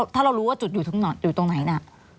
ถ้าเรารู้ว่าจุดอยู่ตรงไหนน่ะ